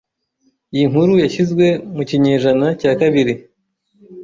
Iyi nkuru yashyizwe mu kinyejana cya kabiri